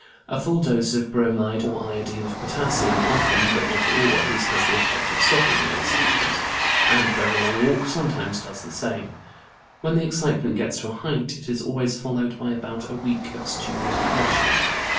A full dose of bromide or iodide of potassium often, but not always, has the effect of stopping the excitement, and a very long walk sometimes does the same. When the excitement gets to a height, it is always followed by about a week of stupid depression."